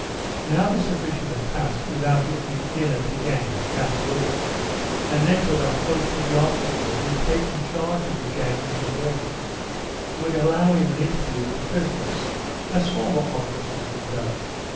Now this official had passed without looking in at the gang, after all, and Nekhludoff hoped that the officer who had taken charge of the gang in the morning would allow him an interview with the prisoners, as former officers had done.